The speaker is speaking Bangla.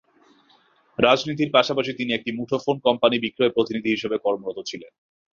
রাজনীতির পাশাপাশি তিনি একটি মুঠোফোন কোম্পানির বিক্রয় প্রতিনিধি হিসেবে কর্মরত ছিলেন।